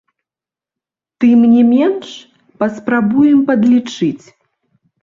Тым не менш, паспрабуем падлічыць.